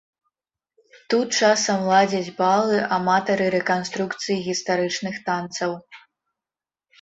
Тут часам ладзяць балы аматары рэканструкцыі гістарычных танцаў.